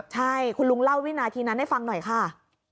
ใช่คุณลุงเล่าวินาทีนั้นให้ฟังหน่อยค่ะ